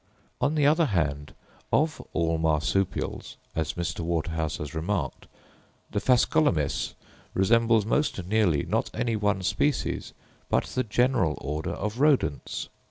On the other hand, of all Marsupials, as Mr. Waterhouse has remarked, the Phascolomys resembles most nearly, not any one species, but the general order of Rodents.